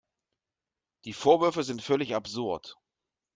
Die Vorwürfe sind völlig absurd.